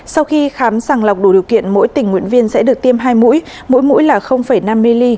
sau khi khám sàng lọc đủ điều kiện mỗi tình nguyện viên sẽ được tiêm hai mũi mỗi mũi là năm milly